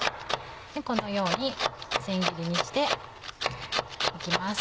このように千切りにして行きます。